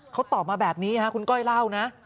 เขาตอบมาแบบนี้คุณก้อยเล่านะ